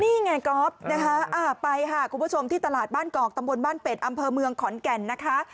นี่ไงก๊อฟนะคะไปค่ะคุณผู้ชมที่ตลาดบ้านกอกตำบลบ้านเป็ดอำเภอเมืองขอนแก่นนะคะ